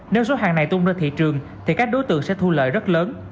nếu số hàng này tung ra thị trường thì các đối tượng sẽ thu lợi rất lớn